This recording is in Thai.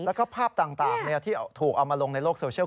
แล้วก็ภาพต่างที่ถูกเอามาลงในโลกโซเชียล